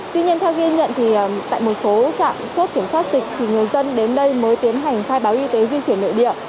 tuy nhiên theo ghi nhận thì tại một số trạm chốt kiểm soát dịch thì người dân đến đây mới tiến hành khai báo y tế di chuyển nội địa